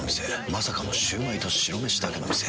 まさかのシュウマイと白めしだけの店。